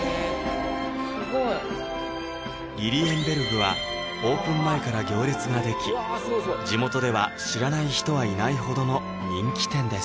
すごいリリエンベルグはオープン前から行列が出来地元では知らない人はいないほどの人気店です